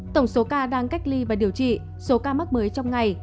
tổng số ca đang cách ly và điều trị số ca mắc mới trong ngày